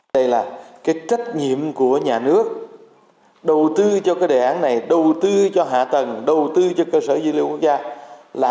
đây là cái trách nhiệm của nhà nước đầu tư cho cái đề án này đầu tư cho hạ tầng đầu tư cho cơ sở dữ liệu quốc gia